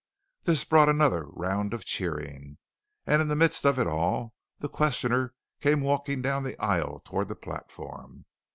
This brought another round of cheering. And in the midst of it all, the questioner came walking down the aisle toward the platform.